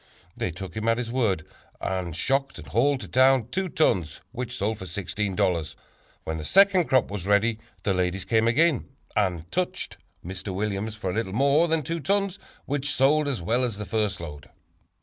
They took him at his word and shocked and hauled to town two tons which sold for $16. When the second crop was ready the ladies came again, and 'touched' Mr. Williams for a little more than two tons which sold as well as the first load."